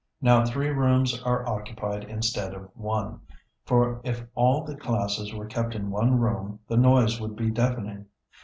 Now three rooms are occupied instead of one, for if all the classes were kept in one room the noise would be deafening.